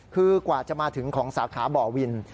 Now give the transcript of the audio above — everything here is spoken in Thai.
คือกว่าจะมาถึงของสาขาบ่อวิน